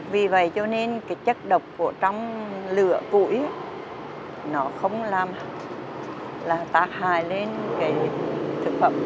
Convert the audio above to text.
vì vậy cho nên cái chất độc của trong lửa củi nó không làm tác hại lên cái thực phẩm